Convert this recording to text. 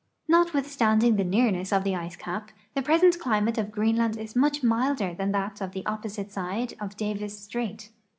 Notwithstanding the nearness of the ice cap, the present climate of Greenland is much milder than that of the opposite side of Davis strait.